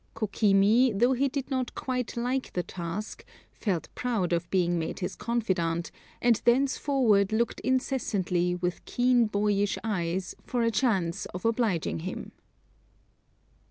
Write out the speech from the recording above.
Kokimi, though he did not quite like the task, felt proud of being made his confidant, and thenceforward looked incessantly, with keen boyish eyes, for a chance of obliging him.